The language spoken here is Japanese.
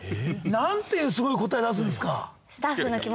何ていうすごい答え出すんですか。